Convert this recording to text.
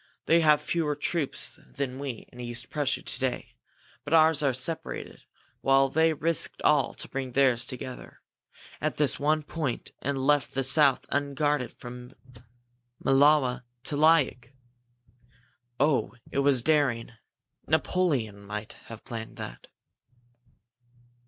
They have fewer troops than we in East Prussia to day, but ours are separated, while they risked all to bring all theirs together at this one point and left the south unguarded from Mlawa to Liok! Oh, it was daring Napoleon might have planned that!"